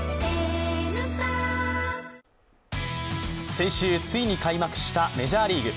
先週ついに開幕したメジャーリーグ。